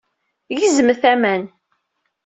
Gezmet aman.